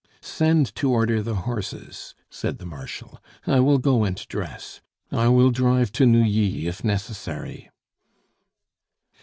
"Send to order the horses," said the Marshal. "I will go and dress. I will drive to Neuilly if necessary."